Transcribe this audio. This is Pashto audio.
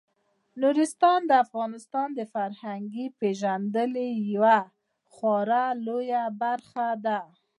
نورستان د افغانانو د فرهنګي پیژندنې یوه خورا لویه برخه ده.